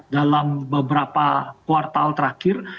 dalam beberapa kuartal terakhir